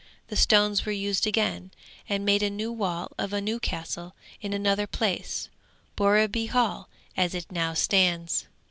The stones were used again, and made a new wall of a new castle in another place Borreby Hall as it now stands.